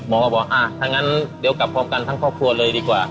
หมอก็บอกงัดกลับพร้อมกันทั้งครอบครัวเลยดีกว่า